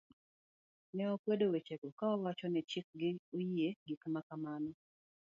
ne okwedo wechego ka owacho ni chik gi oyie gik ma kamano